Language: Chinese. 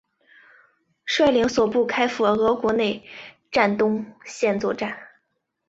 率领所部开赴俄国内战东线作战。